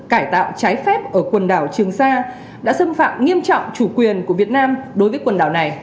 cải tạo trái phép ở quần đảo trường sa đã xâm phạm nghiêm trọng chủ quyền của việt nam đối với quần đảo này